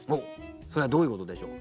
それはどういうことでしょう？